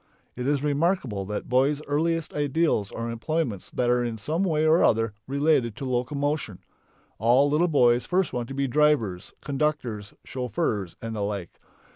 It is remarkable that boys' earliest ideals are employments that are in some way or other related to locomotion. All little boys first want to be drivers, conductors, chauffeurs, and the like.